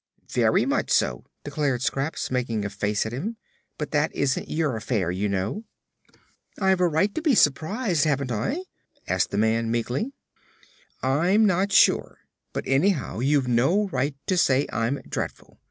"Very much so," declared Scraps, making a face at him. "But that isn't your affair, you know." "I've a right to be surprised, haven't I?" asked the man meekly. "I'm not sure; but anyhow you've no right to say I'm dreadful.